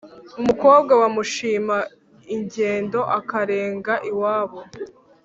Umukobwa bamushima ingendo akarenga iwabo.